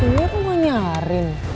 iiih mau di alemp roman tiakan kayak gini kan